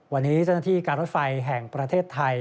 วันนี้เจ้าหน้าที่การรถไฟแห่งประเทศไทย